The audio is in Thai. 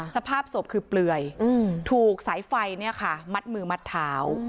สภาพศพคือเปลือยถูกสายไฟมัดมือมัดเท้า